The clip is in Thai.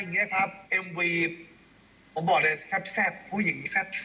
อย่างนี้ครับเอ็มวีผมบอกเลยแซ่บผู้หญิงแซ่บ